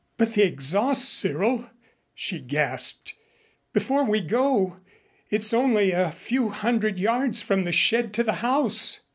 "But the exhaust, Cyril," she gasped, "before we go it's only a few hundred yards from the shed to the house!"